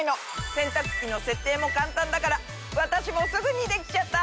洗濯機の設定も簡単だから私もすぐにできちゃった！